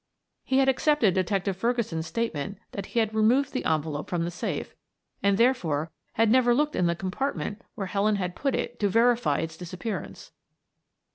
He had accepted Detective Ferguson's statement that he had removed the envelope from the safe, and therefore had never looked in the compartment where Helen had put it to verify its disappearance.